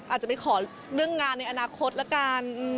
อาจจะไปขอเรื่องงานในอนาคตละกัน